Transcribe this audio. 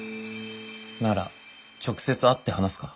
なら直接会って話すか。